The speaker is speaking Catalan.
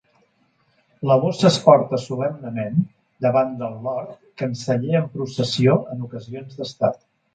La bossa es porta solemnement davant del Lord canceller en processió en ocasions d'estat.